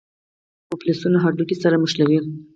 مفصلونه هډوکي سره نښلوي